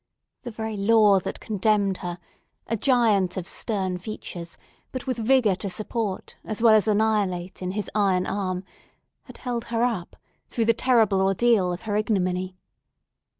The very law that condemned her—a giant of stern features but with vigour to support, as well as to annihilate, in his iron arm—had held her up through the terrible ordeal of her ignominy.